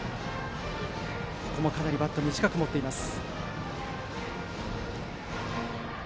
かなりバットを短く持っています。